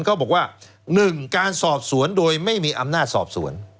เขาบอกว่า๑การสอบสวนโดยไม่มีอำนาจสอบสวน